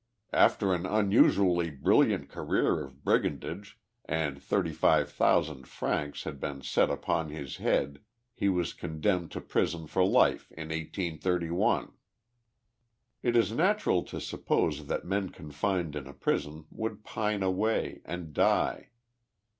After an unus ually brilliant career of brigandage and 35,000 francs had been set upon his head, he was condemned to prison for life in 1831." It is natural to suppose that men confined in a prison would pine away and die.